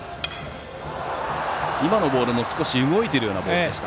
今のボールも少し動いているようなボールでした。